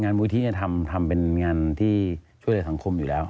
งานบู้นี้ทำเป็นงานที่ช่วยกับสังคมอยู่แล้ว